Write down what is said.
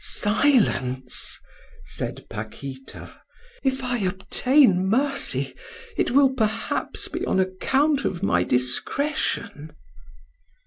"Silence!" said Paquita. "If I obtain mercy it will perhaps be on account of my discretion."